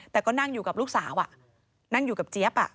แต่ก็นั่งอยู่กับลูกสาวนั่งอยู่กับเจี๊ยบ